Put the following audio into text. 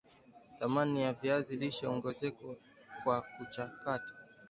Thamani ya viazi lishe inaongezeka kwa kuchakata